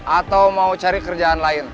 atau mau cari kerjaan lain